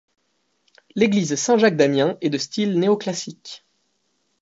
L'église Saint-Jacques d'Amiens est de style néoclassique.